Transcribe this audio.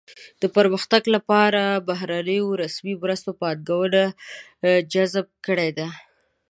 د پرمختګ لپاره بهرنیو رسمي مرستو پانګونه جذب کړې ده.